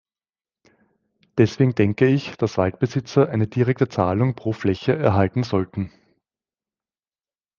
Deswegen denke ich, dass Waldbesitzer eine direkte Zahlung pro Fläche erhalten sollten.